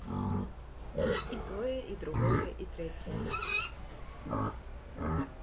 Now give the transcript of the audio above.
І тое, і другое, і трэцяе.